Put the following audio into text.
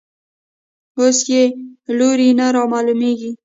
اوس یې لوری نه رامعلومېږي.